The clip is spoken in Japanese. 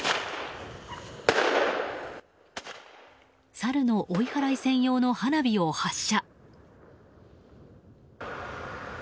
サルの追い払い専用の花火を発射。